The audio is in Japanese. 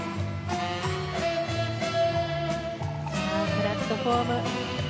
プラットフォーム。